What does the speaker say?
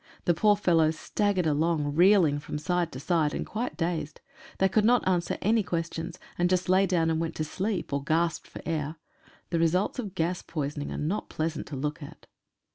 The poor fellows staggered along, reeling from side to side and quite dazed. They could not answer any questions, and just lay down and went to sleep, or gasped for air. The results of gas poisoning are not pleasant to look at.